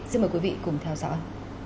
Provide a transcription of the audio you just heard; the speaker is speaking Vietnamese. xin mời quý vị cùng theo dõi